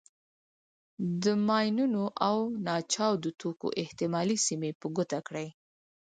د ماینونو او ناچاودو توکو احتمالي سیمې په ګوته کړئ.